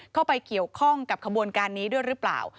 เข้าไปเกี่ยวข้องกับขบวนการนี้ด้วยหรือเปล่า